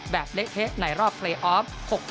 เละเทะในรอบเพลย์ออฟ